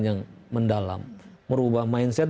yang mendalam merubah mindset